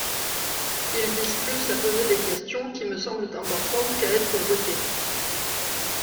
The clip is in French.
Il vise plus à poser des questions, qui me semblent importantes, qu’à être voté.